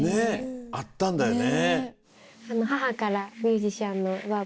あったんだよね。